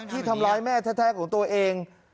ที่ทำร้ายแม่แท้ของตัวเอง